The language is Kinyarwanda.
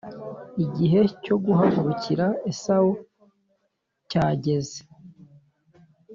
igihe cyo guhagurukira Esawu cya geze